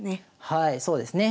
はいそうですね。